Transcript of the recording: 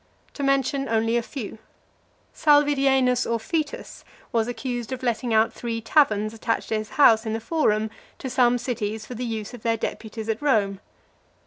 To mention only a few: Salvidienus Orfitus was accused of letting (367) out three taverns attached to his house in the Forum to some cities for the use of their deputies at Rome.